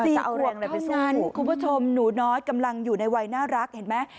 สั้นคุณผู้ชมหนูน้อยกำลังอยู่ในวัยน่ารักเห็นไหม